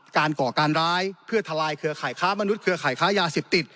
ก่อการร้ายเพื่อทลายเครือข่ายค้ามนุษยเครือข่ายค้ายาเสพติด